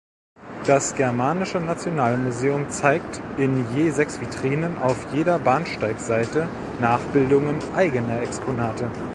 Das Germanische Nationalmuseum zeigt in je sechs Vitrinen auf jeder Bahnsteigseite Nachbildungen eigener Exponate.